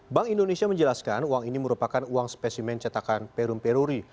bank indonesia menjelaskan uang ini merupakan uang spesimen cetakan perum peruri